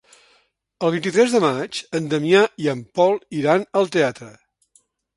El vint-i-tres de maig en Damià i en Pol iran al teatre.